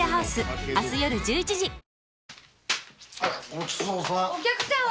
・お客さん